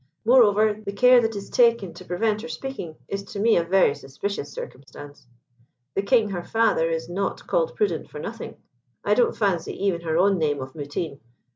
Moreover, the care that is taken to prevent her speaking is to me a very suspicious circumstance. The King, her father, is not called Prudent for nothing. I don't fancy even her own name of Mutine.